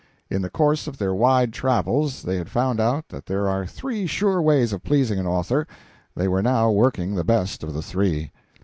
In the course of their wide travels they had found out that there are three sure ways of pleasing an author; they were now working the best of the three.